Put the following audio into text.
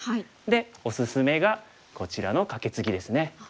でおすすめがこちらのカケツギですね。